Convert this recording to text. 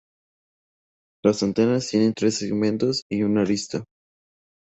Las antenas tienen tres segmentos y una arista.